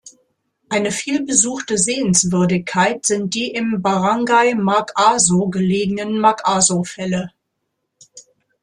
Eine viel besuchte Sehenswürdigkeit sind die im Barangay Mag-Aso gelegenen "Mag-Aso-Fälle".